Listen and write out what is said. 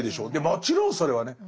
もちろんそれはね